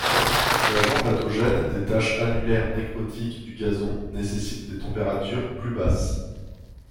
L'agent pathogène des taches annulaires nécrotiques du gazon nécessite des températures plus basses.